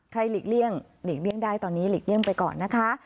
หลีกเลี่ยงหลีกเลี่ยงได้ตอนนี้หลีกเลี่ยงไปก่อนนะคะ